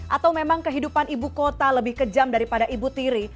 atau memang kehidupan ibu kota lebih kejam daripada ibu tiri